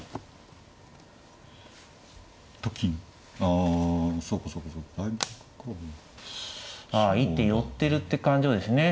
ああ一手寄ってるって勘定ですね。